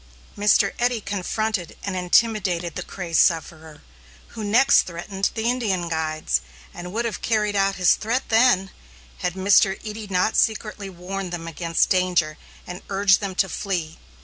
Mr. Eddy confronted and intimidated the crazed sufferer, who next threatened the Indian guides, and would have carried out his threat then, had Mr. Eddy not secretly warned them against danger and urged them to flee.